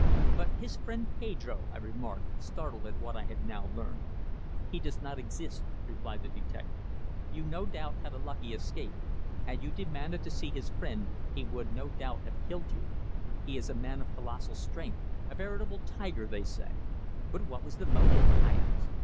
"But his friend Pedro?" I remarked, startled at what I had now learned. "He does not exist," replied the detective. "You no doubt had a lucky escape. Had you demanded to see his friend he would no doubt have killed you. He is a man of colossal strength a veritable tiger, they say." "But what was the motive?" I asked.